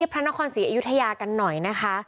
พระนครศรีอยุธยากันหน่อยนะคะ